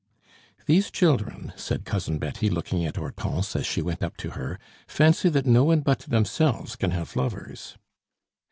"These children," said Cousin Betty, looking at Hortense as she went up to her, "fancy that no one but themselves can have lovers."